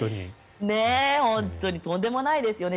ね、本当にとんでもないですよね。